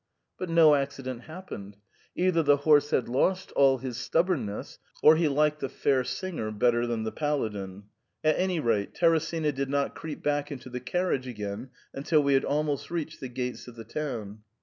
But no accident happened ; either the horse had lost all his stubborn ness or he liked the fair singer better than the paladin ; at any rate, Teresina did not creep back into the car riage again until we had almost reached the gates of the town.